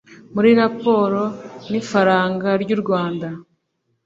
muri raporo n’ ifaranga ry u rwanda.